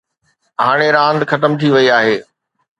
هاڻي راند ختم ٿي وئي آهي.